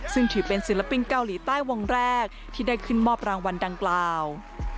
ซึ่งถือเป็นศิลปินเกาหลีใต้วงแรกที่ได้ขึ้นมอบรางวัลดังกล่าว